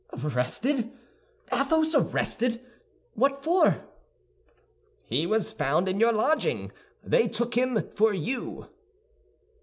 "Arrested! Athos arrested! What for?" "He was found in your lodging; they took him for you."